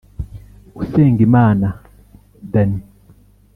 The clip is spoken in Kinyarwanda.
Usengimana Dany